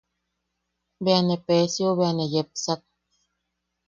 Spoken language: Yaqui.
Bea ne Peesiou bea ne yepsak.